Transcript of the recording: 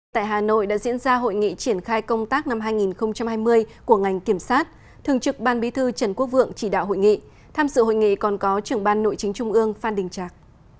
tại hà nội đã diễn ra hội nghị triển khai công tác năm hai nghìn hai mươi của ngành kiểm sát thường trực ban bí thư trần quốc vượng chỉ đạo hội nghị tham sự hội nghị còn có trưởng ban nội chính trung ương phan đình trạc